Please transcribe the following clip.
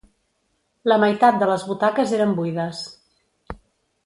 La meitat de les butaques eren buides.